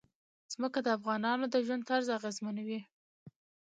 ځمکه د افغانانو د ژوند طرز اغېزمنوي.